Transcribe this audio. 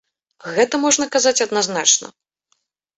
Гэта можна казаць адназначна.